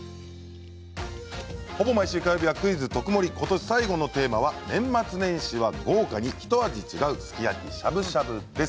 ほぼ毎週火曜日は「クイズとくもり」ことし最後のテーマは年末年始は豪華にひと味違うすき焼き、しゃぶしゃぶです。